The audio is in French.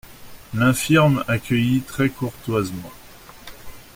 L'infirme accueillit très courtoisement.